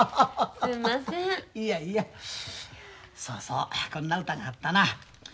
そうそうこんな歌があったな。